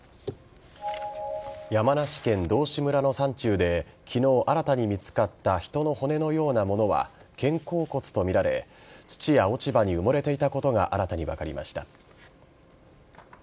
山梨県道志村の山中で昨日、新たに見つかった人の骨のようなものは肩甲骨と見られ土や落ち葉に埋もれていたことが新たに分かりました。